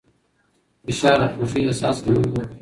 فشار د خوښۍ احساس کموي.